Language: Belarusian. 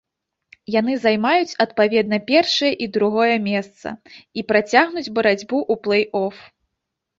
Яны займаюць адпаведна першае і другое месца і працягнуць барацьбу ў плэй-оф.